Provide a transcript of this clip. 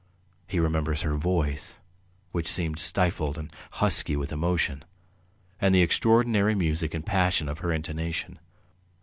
He remembers her voice, which seemed stifled and husky with emotion, and the extraordinary music and passion of her intonation.